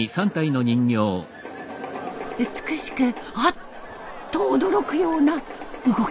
美しくあっと驚くような動き。